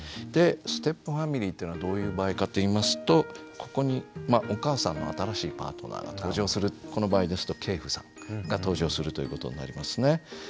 でステップファミリーっていうのはどういう場合かといいますとここにお母さんの新しいパートナーが登場するこの場合ですと継父さんが登場するということになりますね。